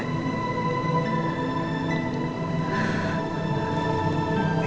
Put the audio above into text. dengan nenek dulu ya